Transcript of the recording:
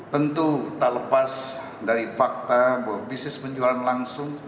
tentu tak lepas dari fakta bahwa bisnis penjualan langsung